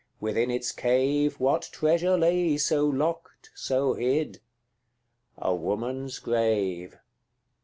within its cave What treasure lay so locked, so hid? A woman's grave.